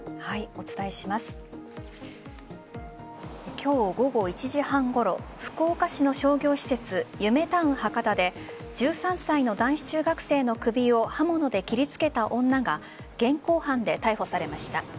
今日午後１時半ごろ福岡市の商業施設ゆめタウン博多で１３歳の男子中学生の首を刃物で切りつけた女が現行犯で逮捕されました。